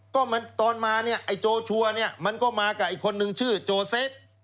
ก็เหมือนตอนมาโจชัวร์ก็มากับอีกคนนึงชื่อโจเซฟ